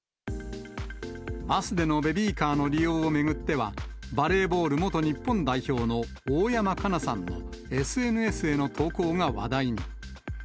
バスでのベビーカーの利用を巡っては、バレーボール元日本代表の大山加奈さんのＳＮＳへの投稿が話題に。